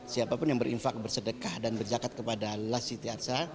siapapun yang berinfak bersedekah dan berzakat kepada las siti adha